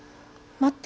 待って。